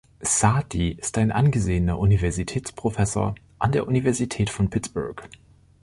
Saaty ist ein angesehener Universitätsprofessor an der Universität von Pittsburgh.